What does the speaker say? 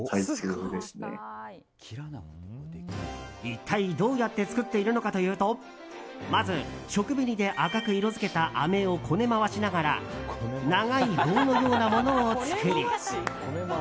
一体、どうやって作っているのかというとまず、食紅で赤く色づけたあめをこね回しながら長い棒のようなものを作り